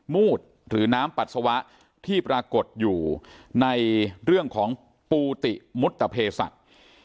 มืดหรือน้ำปัสสาวะที่ปรากฏอยู่ในเรื่องของปูติมุตเพศัตริย์